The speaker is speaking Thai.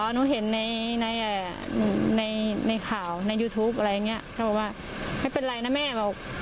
หนูเห็นในในข่าวในยูทูปอะไรอย่างนี้เขาบอกว่าไม่เป็นไรนะแม่บอก